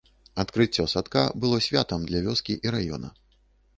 Адкрыццё садка было святам для вёскі і раёна.